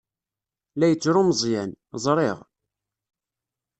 La yettru Meẓyan. Ẓriɣ.